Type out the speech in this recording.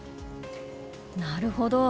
なるほど。